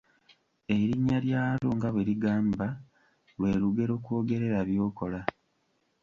Erinnya lyalwo nga bwe ligamba, lwe lugero kw'ogerera by'okola.